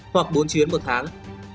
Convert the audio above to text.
hoặc bốn chuyến một tháng